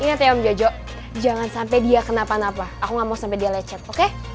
ingat ya om jojo jangan sampai dia kenapa napa aku gak mau sampai dia lecet oke